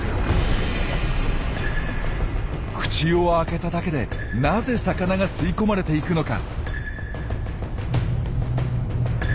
口を開けただけでなぜ魚が吸い込まれていくのか？